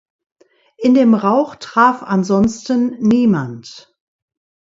In dem Rauch traf ansonsten niemand.